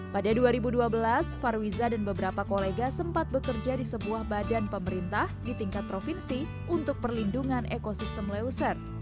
pada dua ribu dua belas farwiza dan beberapa kolega sempat bekerja di sebuah badan pemerintah di tingkat provinsi untuk perlindungan ekosistem leuser